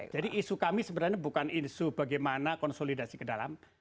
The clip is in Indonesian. jadi isu kami sebenarnya bukan isu bagaimana konsolidasi ke dalam